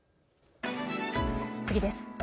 次です。